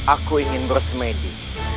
aku ingin bersemedi